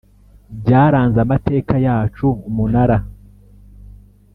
byaranze amateka yacu Umunara